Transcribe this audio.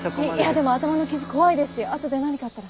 でも頭の傷恐いですし後で何かあったら。